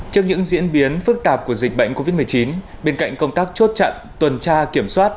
trước những diễn biến phức tạp của dịch bệnh covid một mươi chín bên cạnh công tác chốt chặn tuần tra kiểm soát